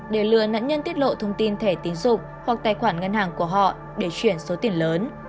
để lừa nạn nhân tiết lộ thông tin thẻ tiến dụng hoặc tài khoản ngân hàng của họ để chuyển số tiền lớn